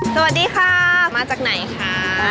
สวัสดีค่ะจะมาจากไหนครับ